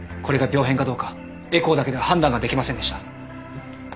これが病変かどうかエコーだけでは判断ができませんでした。